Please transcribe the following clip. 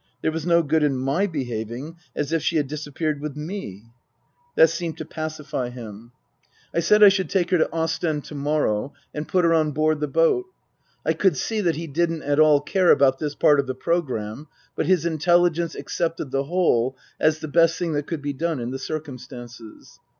There was no good in my behaving as if she had disappeared with me. That seemed to pacify him. Book I : My Book 67 I said I should take her to Ostend to morrow and put her on board the boat. I could see that he didn't at all care about this part of the programme, but his intelligence accepted the whole as the best thing that could be done in the circumstances.